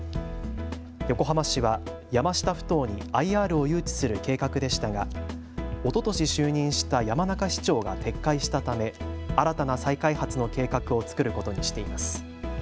横浜市は山下ふ頭にＩＲを誘致する計画でしたがおととし就任した山中市長が撤回したため新たな再開発の計画を作ることにしています。